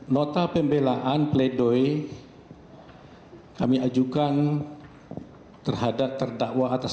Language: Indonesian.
nota pembelaan pledoy kami ajukan terhadap terdakwa atas nama